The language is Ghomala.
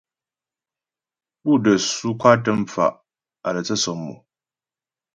Pú də́ su' kwatə mfa' á lə́ tsə sɔmmò.